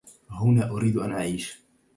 هنا أريد أن أعيش.